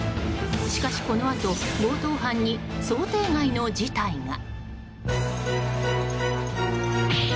しかし、このあと強盗犯に想定外の事態が。